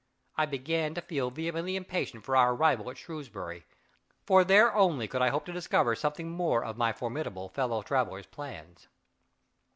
I began to feel vehemently impatient for our arrival at Shrewsbury; for there only could I hope to discover something more of my formidable fellow traveler's plans.